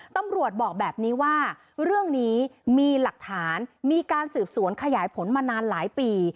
ตำรวจบอกแบบนี้ว่าเรื่องนี้มีหลักฐานมีการสืบสวนขยายผลมานานหลายปี